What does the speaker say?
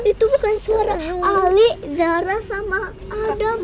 itu bukan sekarang ali zara sama adam